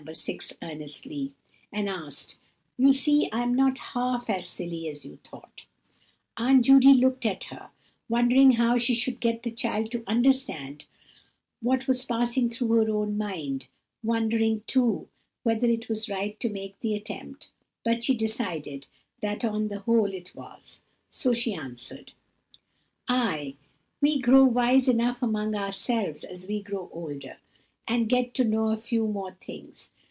6, earnestly; and added, "you see I'm not half as silly as you thought." Aunt Judy looked at her, wondering how she should get the child to understand what was passing through her own mind; wondering, too whether it was right to make the attempt; and she decided that on the whole it was; so she answered:— "Ay, we grow wise enough among ourselves as we grow older, and get to know a few more things.